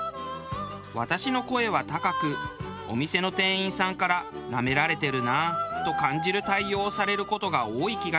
私の声は高くお店の店員さんからなめられてるなと感じる対応をされる事が多い気がします。